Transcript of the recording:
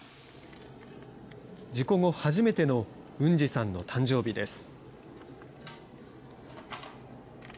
事故後初めてのウンジさんの誕生日です。